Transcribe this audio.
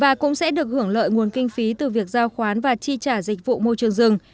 và cũng sẽ được hưởng lợi nguồn kinh phí từ việc giao khoán và chi trả dịch vụ môi trường rừng